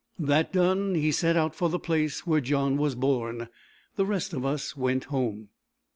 That done, he set out for the place where John was born. The rest of us went home.